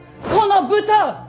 この豚！